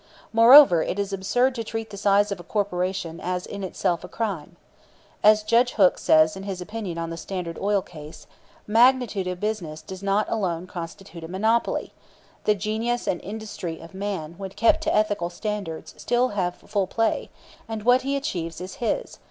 Moreover, it is absurd to treat the size of a corporation as in itself a crime. As Judge Hook says in his opinion in the Standard Oil Case: "Magnitude of business does not alone constitute a monopoly ... the genius and industry of man when kept to ethical standards still have full play, and what he achieves is his